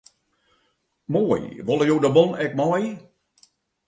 Moai, wolle jo de bon ek mei?